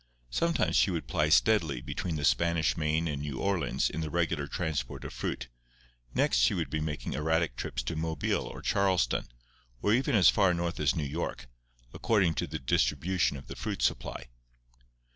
Sometimes she would ply steadily between the Spanish Main and New Orleans in the regular transport of fruit; next she would be making erratic trips to Mobile or Charleston, or even as far north as New York, according to the distribution of the fruit supply.